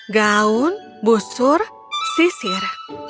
gaun busur sisir